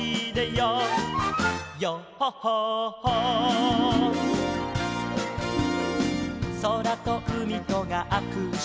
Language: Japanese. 「ヨッホッホッホー」「そらとうみとがあくしゅしている」